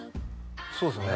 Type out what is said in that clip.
そうですよね